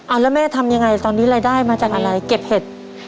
เอาแล้วแม่ทำยังไงตอนนี้รายได้มาจากอะไรเก็บเห็ด